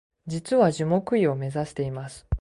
実は樹木医を目指しています